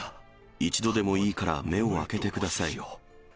一度でもいいから目を開けてください。